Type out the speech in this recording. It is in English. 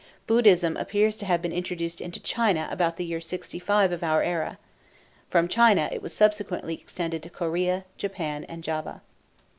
Buddhism appears to have been introduced into China about the year 65 of our era. From China it was subsequently extended to Corea, Japan, and Java.